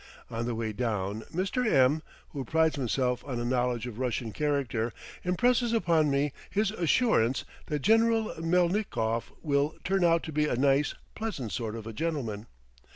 On the way down, Mr. M , who prides himself on a knowledge of Russian character, impresses upon me his assurance that General Melnikoff will turn out to be a nice, pleasant sort of a gentleman.